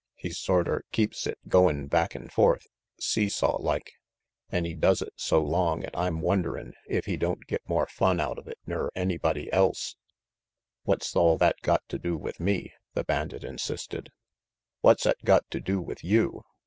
He sorter keeps it goin' back and forth, see saw like, an' he does it so RANGY PETE 85 long 'at I'm wonderin' if he don't get more fun outuv it ner anybody else "What's all that got to do with me?" the bandit insisted. "What's 'at got to do with you?